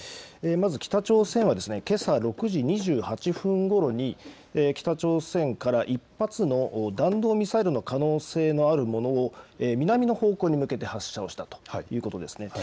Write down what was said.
まず北朝鮮はですね、けさ６時２８分ごろに、北朝鮮から１発の弾道ミサイルの可能性のあるものを、南の方向に向けて発射をしたということですね。